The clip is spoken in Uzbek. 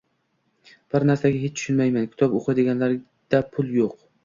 Bir narsaga hech tushunmayman: kitob o’qiydiganlarda pul yo’q.